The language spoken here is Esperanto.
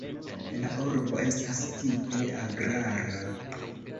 La urbo estas tipe agrara.